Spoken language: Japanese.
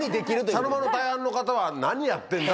茶の間の大半の方は何やってんだ？